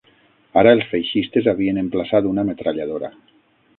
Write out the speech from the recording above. Ara els feixistes havien emplaçat una metralladora